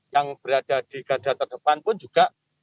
yang berada di gada terdepan pun juga